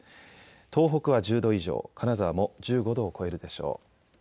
東北は１０度以上金沢も１５度を超えるでしょう。